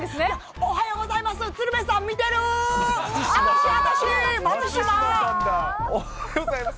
おはようございます。